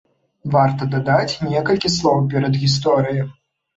Варта дадаць некалькі слоў перадгісторыі.